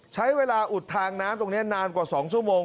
ใช้เวลาอุดทางน้ำตรงนี้นานกว่า๒ชั่วโมง